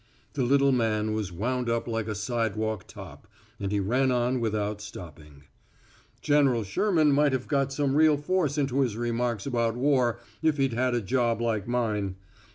The little man was wound up like a sidewalk top, and he ran on without stopping: "General Sherman might have got some real force into his remarks about war if he'd had a job like mine.